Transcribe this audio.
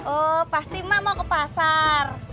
oh pasti mama mau ke pasar